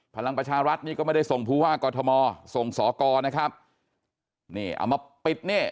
พลังประชารัฐนี่ก็ไม่ได้ส่งผู้ว่ากอทมส่งสอกรนะครับนี่เอามาปิดนี่